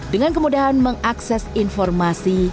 dengan kemudahan mengakses informasi